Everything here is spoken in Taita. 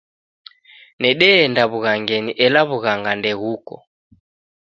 Nedeenda w'ughangenyi ela w'ughanga ndeghuko.